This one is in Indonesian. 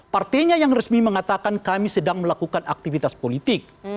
partainya yang resmi mengatakan kami sedang melakukan aktivitas politik